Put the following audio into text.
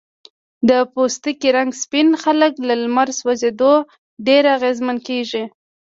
د پوستکي رنګ سپین خلک له لمر سوځېدو ډیر اغېزمن کېږي.